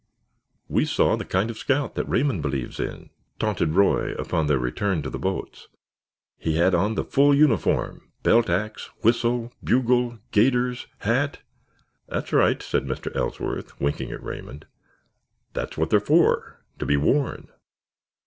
"We saw the kind of scout that Raymond believes in," taunted Roy, upon their return to the boats. "He had on the full uniform, belt axe, whistle, bugle, gaiters, hat——" "That's right," said Mr. Ellsworth, winking at Raymond. "That's what they're for—to be worn."